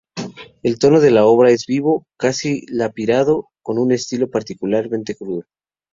El tono de la obra es vivo, casi lapidario, con un estilo particularmente crudo.